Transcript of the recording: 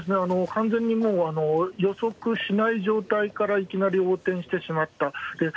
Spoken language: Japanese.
完全にもう予測しない状態からいきなり横転してしまった。